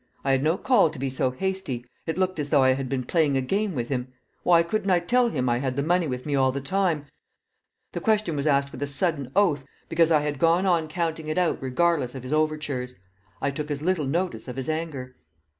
I had no call to be so hasty; it looked as though I had been playing a game with him. Why couldn't I tell him I had the money with me all the time? The question was asked with a sudden oath, because I had gone on counting it out regardless of his overtures. I took as little notice of his anger.